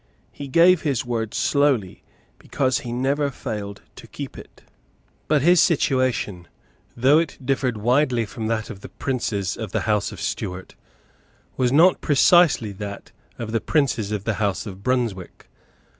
He gave his word slowly, because he never failed to keep it. But his situation, though it differed widely from that of the princes of the House of Stuart, was not precisely that of the princes of the House of Brunswick.